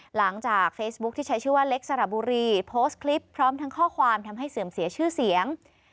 หลังจากเฟซบุ๊คที่ใช้ชื่อว่าเล็กสระบุรีโพสต์คลิปพร้อมทั้งข้อความทำให้เสื่อมเสียชื่อเสียง